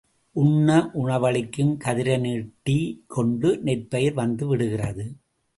உண்ண உணவளிக்கும் கதிரை நீட்டிக் கொண்டு நெற்பயிர் வந்து விடுகிறது.